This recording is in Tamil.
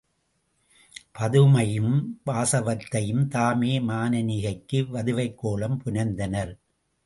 பதுமையும், வாசவதத்தையும் தாமே மானனீகைக்கு வதுவைக்கோலம் புனைந்தனர்.